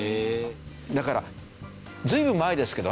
だから随分前ですけどね